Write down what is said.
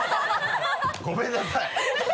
ごめんなさい